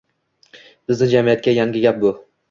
Bizni jamiyatga yangi gap bu.